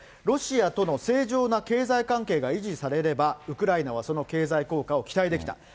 ロシアとの正常な経済関係が維持されれば、ウクライナはその経済効果を期待できた。